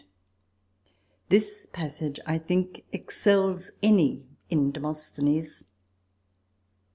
t This passage, I think, excels any in Demosthenes.